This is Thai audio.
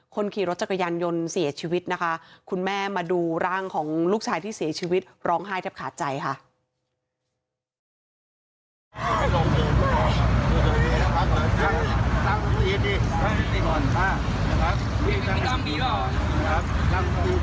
คนขี่รถจักรยานยนต์เสียชีวิตนะคะคุณแม่มาดูร่างของลูกชายที่เสียชีวิตร้องไห้แทบขาดใจค่ะ